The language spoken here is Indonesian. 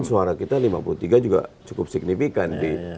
suara kita lima puluh tiga juga cukup signifikan